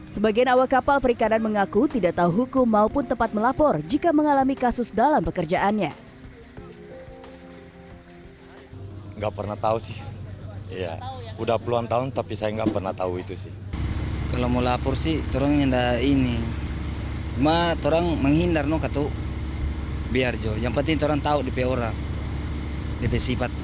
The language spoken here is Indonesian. sebagian awak kapal perikanan mengaku tidak tahu hukum maupun tempat melapor jika mengalami kasus dalam pekerjaannya